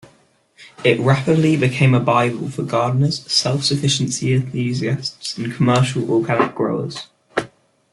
It rapidly became a bible for gardeners, self-sufficiency enthusiasts and commercial organic growers.